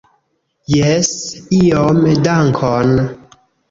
Jes, iom, dankon.